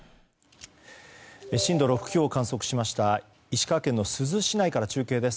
震度６強を観測しました石川県珠洲市内から中継です。